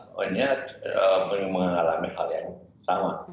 pokoknya mengalami hal yang sama